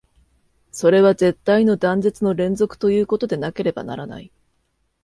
それは絶対の断絶の連続ということでなければならない。